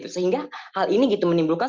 sehingga hal ini menimbulkan